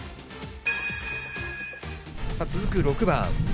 続く６番。